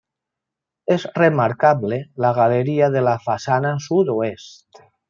És remarcable la galeria de la façana sud-oest.